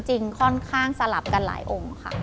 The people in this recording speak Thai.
ค่อนข้างสลับกันหลายองค์ค่ะ